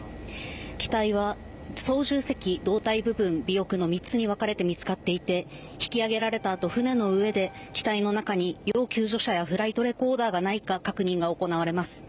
機体は操縦席、胴体部分、尾翼の３つに分かれて見つかっていて、引き揚げられたあと、船の上で機体の中に要救助者やフライトレコーダーがないか確認が行われます。